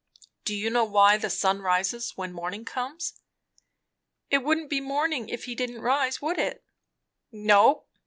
"Do you know why the sun rises when morning comes?" "It wouldn't be morning, if he didn't rise, would it?" "No.